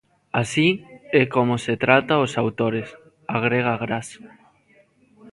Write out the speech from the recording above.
"Así é como se trata os autores", agrega Grass."